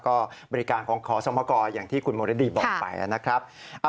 ก็บริการของขอสมกรอย่างที่คุณมรดีบอกไปนะครับ